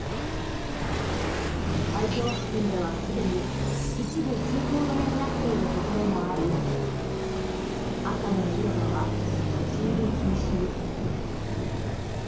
会場付近ではすでに一部通行止めになっているところもあり赤の広場は立ち入り禁止に。